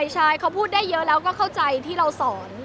ใช่เขาพูดได้เยอะแล้วก็เข้าใจที่เราสอน